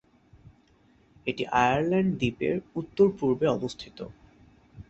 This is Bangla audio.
এটি আয়ারল্যান্ড দ্বীপের উত্তর-পূর্বে অবস্থিত।